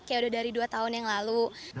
kayak udah dari dua tahun yang lalu